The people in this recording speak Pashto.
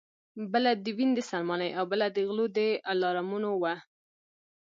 بله د وین د سلماني او بله د غلو د الارمونو وه